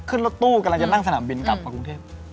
ขึ้นรถตู้กำลังจะนั่งสนามบินกลับมากรุงเทพ